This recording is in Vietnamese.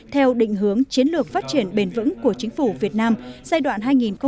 theo định hướng chiến lược phát triển bền vững của chính phủ việt nam giai đoạn hai nghìn một mươi một